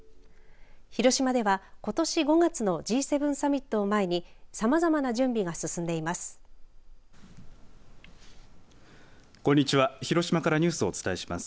広島では、ことし５月のＧ７サミットを前にさまざまな準備が進んでいます。